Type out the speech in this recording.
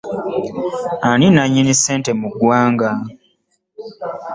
Ani nannyini ssente mu ggwanga?